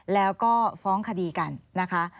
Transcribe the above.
แล้วก็ฟ้องคดีกันนะคะ